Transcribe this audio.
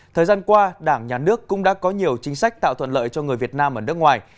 thời gian qua đảng nhà nước cũng đã có nhiều chính sách tạo thuận lợi cho người việt nam ở nước ngoài